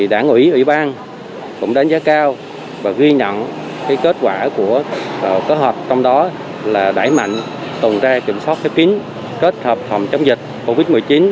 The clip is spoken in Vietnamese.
đảng ủy ủy ban cũng đánh giá cao và ghi nhận kết quả của kết hợp trong đó là đẩy mạnh tuần tra kiểm soát khép kín kết hợp phòng chống dịch covid một mươi chín